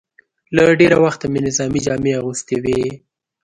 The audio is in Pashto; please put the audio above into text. له ډېره وخته مې نظامي جامې اغوستې وې.